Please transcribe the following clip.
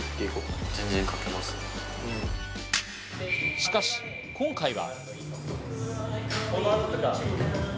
しかし、今回は。